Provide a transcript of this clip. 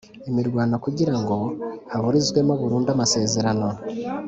Imirwano kugira ngo haburizwemo burundu amasezerano